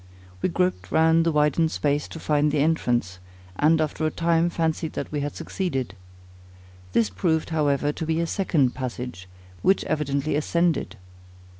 We groped round the widened space to find the entrance, and after a time fancied that we had succeeded. This proved however to be a second passage, which evidently ascended.